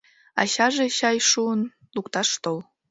Ачаже, чай шуын, лукташ тол.